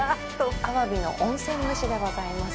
アワビの温泉蒸しでございます。